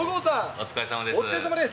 お疲れさまです。